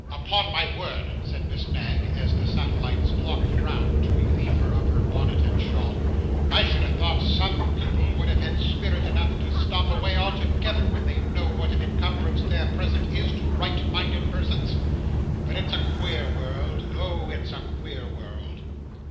'Upon my word!' said Miss Knag, as the satellites flocked round, to relieve her of her bonnet and shawl; 'I should have thought some people would have had spirit enough to stop away altogether, when they know what an incumbrance their presence is to right minded persons. But it's a queer world; oh! it's a queer world!